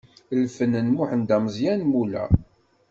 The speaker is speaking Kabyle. Lfen n Muḥend Ameẓyan Mula.